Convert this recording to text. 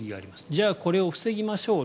じゃあこれを防ぎましょう。